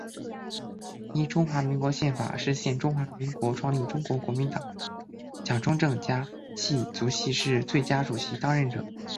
依中华民国宪法释宪中华民国创立中国国民党蒋中正家系族系是最佳主席当任者。